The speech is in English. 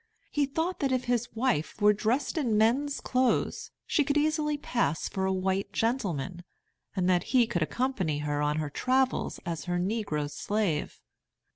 He thought that if his wife were dressed in men's clothes she could easily pass for a white gentleman, and that he could accompany her on her travels as her negro slave.